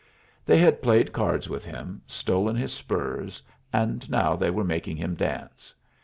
They had played cards with him, stolen his spurs, and now they were making him dance.